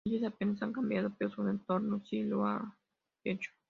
Ellos apenas han cambiado, pero su entorno sí que lo ha hecho.